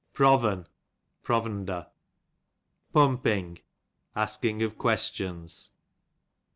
Proven, provender. Pumping, asking of questions.